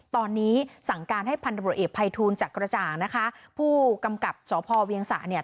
ตอนนี้สั่งการให้พันธบริเอกภัยทูลจักรกระจ่างนะคะผู้กำกับสพเวียงสะเนี่ย